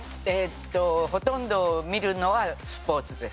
ほとんど見るのはスポーツです。